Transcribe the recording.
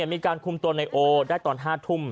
มีการคุมตัวในโอได้ตอน๕ทุ่ม